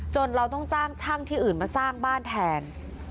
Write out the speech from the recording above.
เราต้องจ้างช่างที่อื่นมาสร้างบ้านแทน